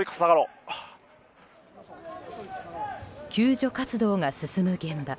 救助活動が進む現場。